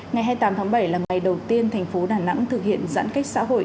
ngày hai mươi tám tháng bảy là ngày đầu tiên thành phố đà nẵng thực hiện giãn cách xã hội